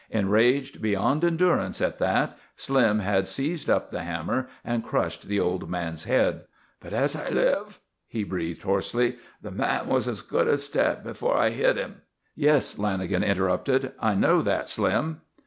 Enraged beyond endurance at that, Slim had seized up the hammer and crushed the old man's head. "But as I live," he breathed hoarsely, "the man was as good as dead before I hit him." "Yes," Lanagan interrupted, "I know that, Slim."